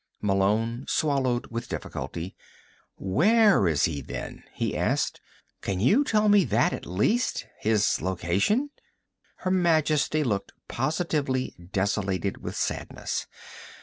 Malone swallowed with difficulty. "Where is he, then?" he said. "Can you tell me that, at least? His location?" Her Majesty looked positively desolated with sadness.